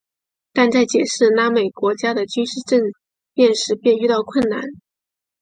但在解释拉美国家的军事政变时遇到困难。